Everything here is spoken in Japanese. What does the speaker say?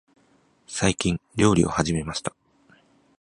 最近、料理を始めました。